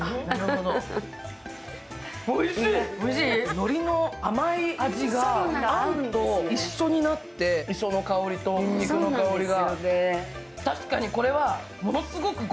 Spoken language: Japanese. のりの甘い味があんと一緒になって磯の香りとにんにくの香りが。